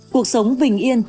cuộc sống vình yên